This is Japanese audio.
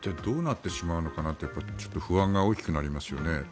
どうなってしまうのかなと不安が大きくなりますよね。